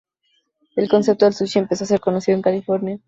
El concepto del sushi empezó a ser conocido en California.